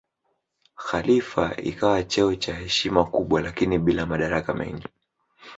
Khalifa ikawa cheo cha heshima kubwa lakini bila madaraka mengi.